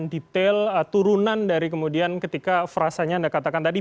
detail turunan dari kemudian ketika frasanya anda katakan tadi